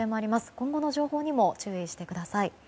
今後の情報にも注意してください。